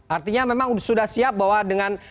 artinya memang sudah siap bahwa dengan